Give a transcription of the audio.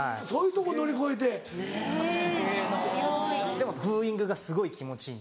でもブーイングがすごい気持ちいい。